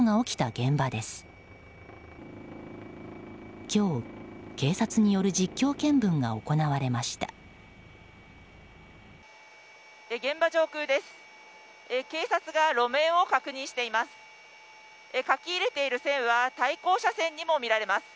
現場上空です。